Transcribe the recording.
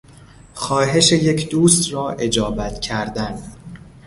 خواهش یک دوست را اجابت کردن